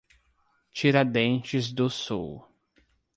Tiradentes do Sul